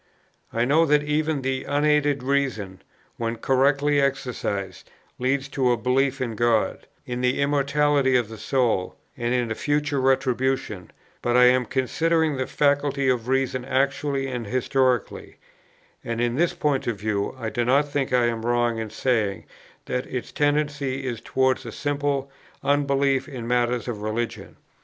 I know that even the unaided reason, when correctly exercised, leads to a belief in God, in the immortality of the soul, and in a future retribution; but I am considering the faculty of reason actually and historically; and in this point of view, I do not think I am wrong in saying that its tendency is towards a simple unbelief in matters of religion.